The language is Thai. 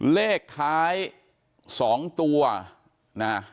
เลขท้าย๒ตัวนะ